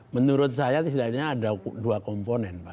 menurut saya setidaknya ada dua komponen pak